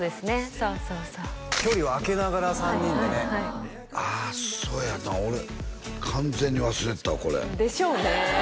そうそうそう距離をあけながら３人でねはいはいはいああそうやった俺完全に忘れてたわこれでしょうね